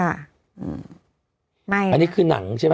อันนี้คือหนังใช่ไหม